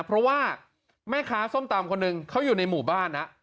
เพราะว่าแม่ค้าส้มตำคนหนึ่งเขาอยู่ในหมู่บ้านนะ